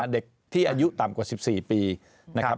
เด็กที่อายุต่ำกว่า๑๔ปีนะครับ